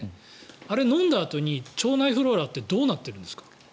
あれ、飲んだあとに腸内フローラってどうなってるんですか？